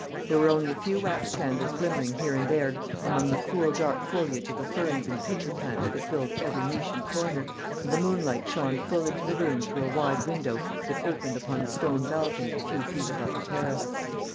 There were only a few wax candles glimmering here and there among the cool dark foliage of the ferns and pitcher plants that filled every niche and corner, and the moonlight shone full into the room through a wide window that opened upon a stone balcony a few feet above the terrace.